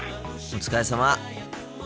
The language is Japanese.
お疲れさま。